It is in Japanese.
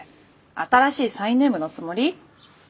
新しいサインネームのつもり？